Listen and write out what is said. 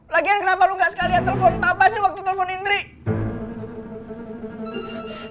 lagian kenapa lo nggak sekali kali telepon papa sih waktu telepon indri